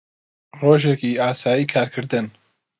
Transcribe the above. ڕۆژێکی ئاسایی کارکردن